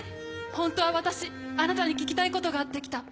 ホントは私あなたに聞きたいことがあって来た。